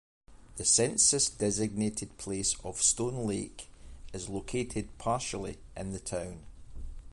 The census-designated place of Stone Lake is located partially in the town.